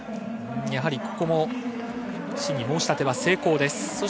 やはりここも審議申し立て成功です。